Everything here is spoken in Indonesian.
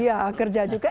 iya kerja juga